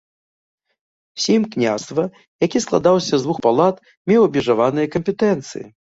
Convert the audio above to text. Сейм княства, які складаўся з двух палат, меў абмежаваныя кампетэнцыі.